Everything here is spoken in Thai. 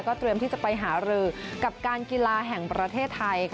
เตรียมที่จะไปหารือกับการกีฬาแห่งประเทศไทย